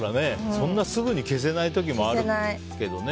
そんなすぐに消せない時もあるけどね。